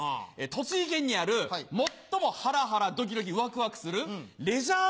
栃木県にある最もハラハラドキドキワクワクするレジャー